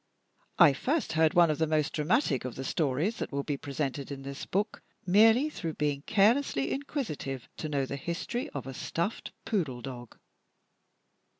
I first heard one of the most dramatic of the stories that will be presented in this book, merely through being carelessly inquisitive to know the history of a stuffed poodle dog.